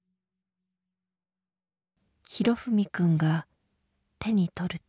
裕史くんが手に取ると。